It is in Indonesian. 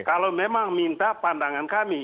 kalau memang minta pandangan kami